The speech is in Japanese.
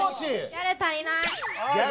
ギャル足りない。